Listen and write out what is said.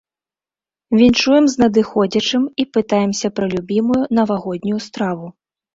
Віншуем з надыходзячым і пытаемся пра любімую навагоднюю страву.